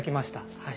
はい。